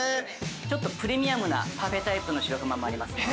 ◆ちょっとプレミアムなパフェタイプのしろくまもあります。